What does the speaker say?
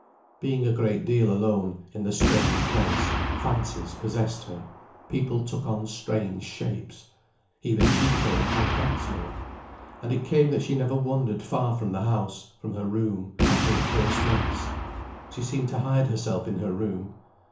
Being a great deal alone, in the strange place, fancies possessed her, people took on strange shapes. Even Ciccio and Pancrazio. And it came that she never wandered far from the house, from her room, after the first months. She seemed to hide herself in her room.